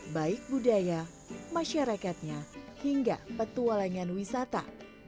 baik budaya masyarakatnya hingga petualangan wisata